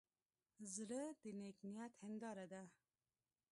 زړه د نیک نیت هنداره ده.